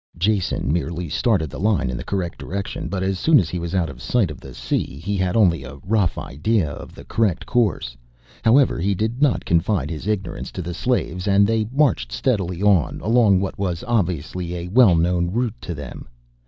Jason merely started the line in the correct direction, but as soon as he was out of sight of the sea he had only a rough idea of the correct course, however he did not confide his ignorance to the slaves and they marched steadily on, along what was obviously a well known route to them.